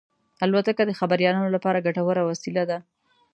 الوتکه د خبریالانو لپاره ګټوره وسیله ده.